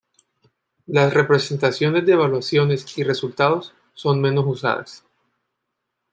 Las representaciones de evaluaciones y resultados son menos usadas.